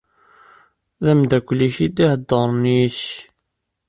D amdakel-ik i d-iheddren yid-k.